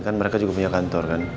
kan mereka juga punya kantor kan